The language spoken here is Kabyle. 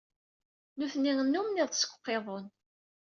Nitni nnummen iḍes deg uqiḍun.